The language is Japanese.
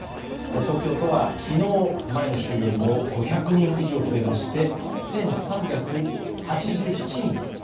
東京都は昨日、前の週よりも５００人以上増えまして１３８７人。